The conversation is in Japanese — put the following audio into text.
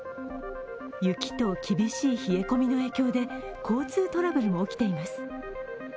雪と厳しい冷え込みの影響で交通トラブルも起きています。